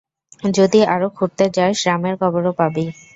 যদি আরো খুড়তে যাস, রামের কবরও পাবি!